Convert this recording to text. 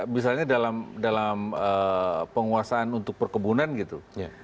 misalnya dalam penguasaan untuk perkebunan gitu